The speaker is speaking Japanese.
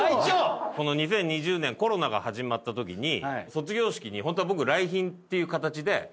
２０２０年コロナが始まった時に卒業式にホントは僕来賓っていう形で。